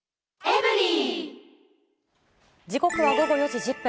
時刻は午後４時１０分。